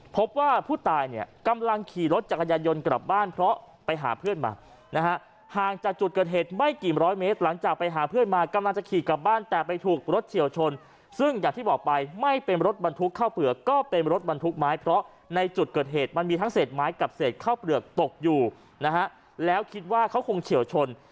พบว่าผู้ตายเนี่ยกำลังขี่รถจักรยานยนต์กลับบ้านเพราะไปหาเพื่อนมานะฮะห่างจากจุดเกิดเหตุไม่กี่ร้อยเมตรหลังจากไปหาเพื่อนมากำลังจะขี่กลับบ้านแต่ไปถูกรถเฉียวชนซึ่งอย่างที่บอกไปไม่เป็นรถบรรทุกข้าวเปลือกก็เป็นรถบรรทุกไม้เพราะในจุดเกิดเหตุมันมีทั้งเศษไม้กับเศษข้าวเปลือกตกอยู่นะฮะแล้วคิดว่าเขาคงเฉียวชน